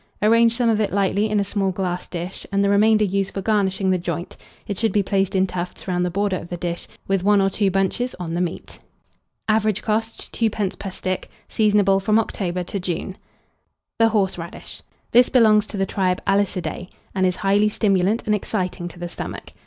Arrange some of it lightly in a small glass dish, and the remainder use for garnishing the joint: it should be placed in tufts round the border of the dish, with 1 or 2 bunches on the meat. Average cost, 2d. per stick. Seasonable from October to June. [Illustration: HORSERADISH.] THE HORSERADISH. This belongs to the tribe Alyssidae, and is highly stimulant and exciting to the stomach.